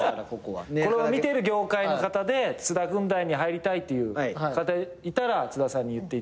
これを見てる業界の方で津田軍団に入りたいっていう方いたら津田さんに言っていただいて。